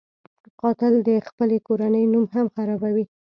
قاتل د خپلې کورنۍ نوم هم خرابوي